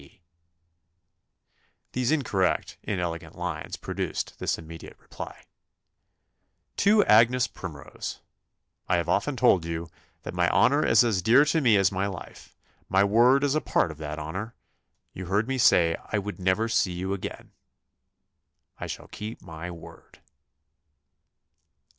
P." These incorrect, inelegant lines produced this immediate reply "TO AGNES PRIMROSE. "I have often told you, that my honour is as dear to me as my life: my word is a part of that honour you heard me say I would never see you again. I shall keep my word."